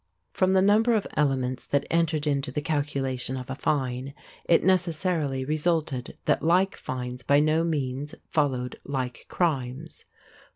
From the number of elements that entered into the calculation of a fine, it necessarily resulted that like fines by no means followed like crimes.